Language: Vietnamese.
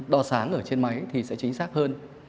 đo sáng ở trên máy thì sẽ chính xác hơn